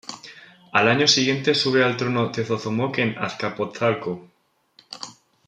Al año siguiente, sube al trono Tezozómoc en Azcapotzalco.